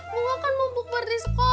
bunga kan mumpuk berdiskola bu